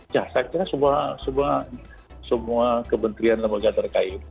ya saya kira semua kementerian lembaga terkait